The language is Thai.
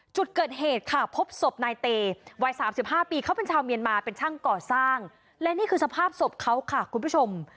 จุดเกิดเหตุค่ะพบศพนายเตวัยสามสิบห้าปีเขาเป็นชาวเมียนมาเป็นช่างก่อสร้างและนี่คือสภาพศพเขาค่ะคุณผู้ชม